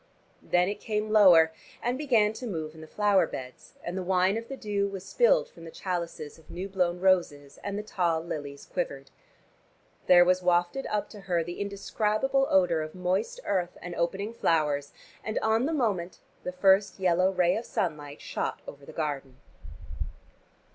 Then it came lower, and began to move in the flower beds, and the wine of the dew was spilled from the chalices of new blown roses, and the tall lilies quivered. There was wafted up to her the indescribable odor of moist earth and opening flowers, and on the moment the first yellow ray of sunlight shot over the garden.